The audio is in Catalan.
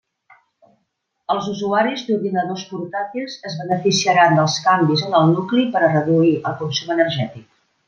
Els usuaris d'ordinadors portàtils es beneficiaran dels canvis en el nucli per a reduir el consum energètic.